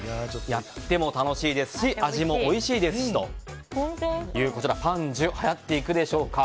やっても楽しいですし味もおいしいですしというこちらパンジュはやっていくでしょうか。